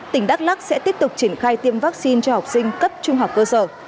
tỉnh đắk lắc sẽ tiếp tục triển khai tiêm vaccine cho học sinh cấp trung học cơ sở